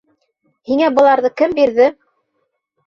— Һиңә быларҙы кем бирҙе?